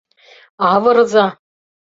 Авырыза!